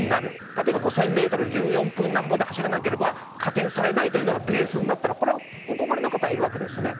例えば、５０００ｍを１４分なんぼで走らなければ加点されないということがベースになったらお困りの方がいるわけですよね。